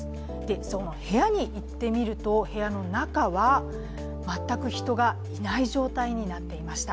その部屋に行ってみると、部屋の中は全く人がいない状態になっていました。